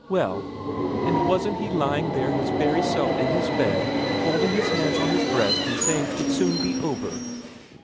Well, and wasn't he lying there his very self in his bed, and folding his hands on his breast and saying 'twould soon be over?"